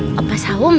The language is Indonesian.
eh opa saum